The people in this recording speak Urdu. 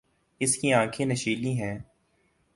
اس کی آنکھیں نشیلی ہیں۔